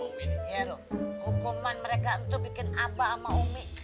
hukuman mereka itu bikin aba sama umi